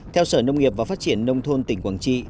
theo sở nông nghiệp và phát triển nông thôn tỉnh quảng trị